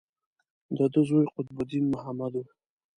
د ده زوی قطب الدین محمد و.